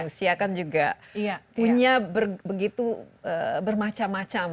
rusia kan juga punya begitu bermacam macam